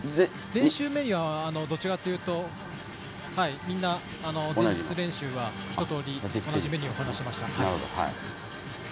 練習メニューはどちらかというと前日練習では一とおり同じメニューをこなしました。